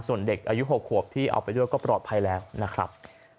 ส่วนเด็กอายุ๖ขวบที่เอาไปด้วยก็ปลอดภัยแล้วนะครับ